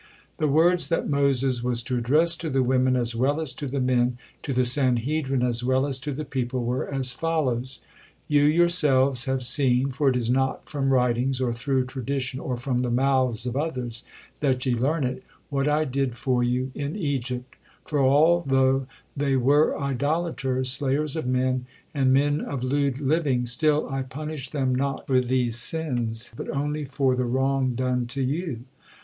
The words that Moses was to address to the women as well as to the men, to the Sanhedrin as well as to the people, were as follows: "You yourselves have seen for it is not from writings, or through tradition, or from the mouths of others that ye learn it what I did for you in Egypt; for although they were idolaters, slayers of men, and men of lewd living, still I punished them not for these sins, but only for the wrong done to you.